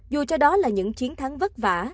dù cho đó là những chiến thắng vất vả